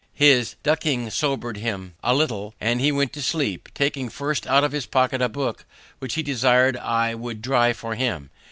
His ducking sobered him a little, and he went to sleep, taking first out of his pocket a book, which he desir'd I would dry for him.